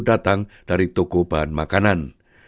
datang dari toko bahan makanan